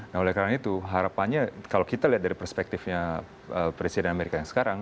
nah oleh karena itu harapannya kalau kita lihat dari perspektifnya presiden amerika yang sekarang